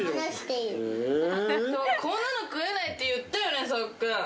こんなの食えないって言ったよね、さっ君。